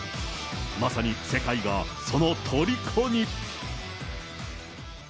まさに世界がそのとりこに。